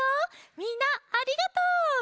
みんなありがとう！